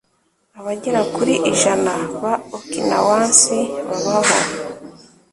Abagera kuri % ba Okinawans babaho